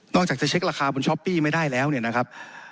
จากจะเช็คราคาบนช้อปปี้ไม่ได้แล้วเนี่ยนะครับ